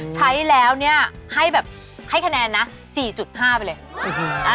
ใช้แล้วเนี่ยให้แบบให้คะแนนนะ๔๕ไปเลย